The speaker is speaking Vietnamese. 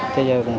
thế giờ cũng khó